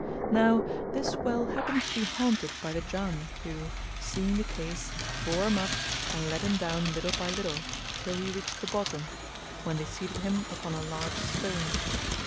Now this well happened to be haunted by the Jann who, seeing the case, bore him up and let him down little by little, till he reached the bottom, when they seated him upon a large stone.